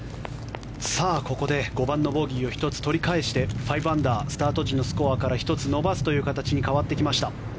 ここで５番のボギーを１つ取り返して、５アンダースタート時のスコアから１つ伸ばすという形に変わってきました。